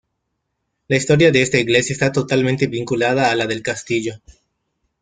La historia de esta iglesia está totalmente vinculada a la del castillo.